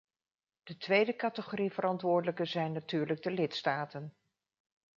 De tweede categorie verantwoordelijken zijn natuurlijk de lidstaten.